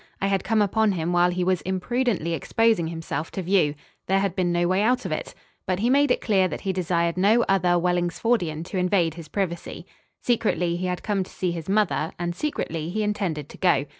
I had come upon him while he was imprudently exposing himself to view. There had been no way out of it. But he made it clear that he desired no other Wellingsfordian to invade his privacy. Secretly he had come to see his mother and secretly he intended to go.